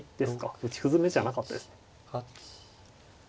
打ち歩詰めじゃなかったですね。